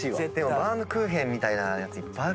バウムクーヘンみたいなやついっぱいある。